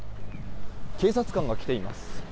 警察官が来ています。